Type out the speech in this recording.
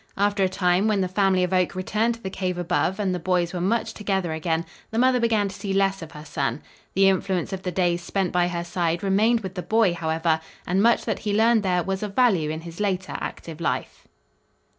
After a time, when the family of Oak returned to the cave above and the boys were much together again, the mother began to see less of her son. The influence of the days spent by her side remained with the boy, however, and much that he learned there was of value in his later active life.